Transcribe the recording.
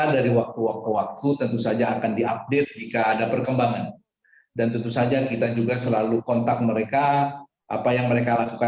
status pencarian eril telah menyebut